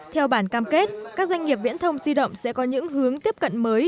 theo bản cam kết các doanh nghiệp viễn thông di động sẽ có những hướng tiếp cận mới